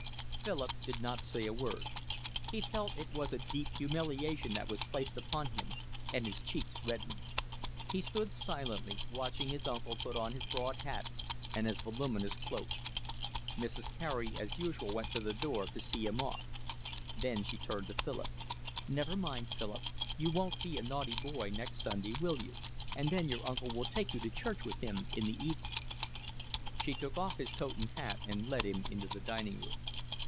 Philip did not say a word. He felt it was a deep humiliation that was placed upon him, and his cheeks reddened. He stood silently watching his uncle put on his broad hat and his voluminous cloak. Mrs. Carey as usual went to the door to see him off. Then she turned to Philip. "Never mind, Philip, you won't be a naughty boy next Sunday, will you, and then your uncle will take you to church with him in the evening." She took off his hat and coat, and led him into the dining room.